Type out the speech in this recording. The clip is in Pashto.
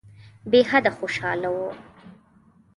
بېحده خوشاله وو.